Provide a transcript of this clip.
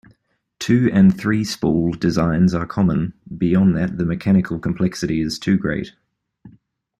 Two- and three-spool designs are common; beyond that the mechanical complexity is too great.